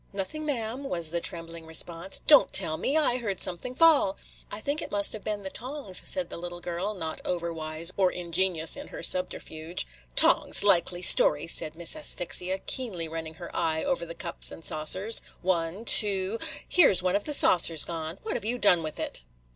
"Nothing, ma'am," was the trembling response. "Don't tell me! I heard something fall." "I think it must have been the tongs," said the little girl, – not over wise or ingenious in her subterfuge. "Tongs!likely story," said Miss Asphyxia, keenly running her eye over the cups and saucers. "One, two, – here 's one of the saucers gone. What have you done with it?"